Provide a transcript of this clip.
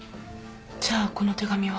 じゃあこの手紙は。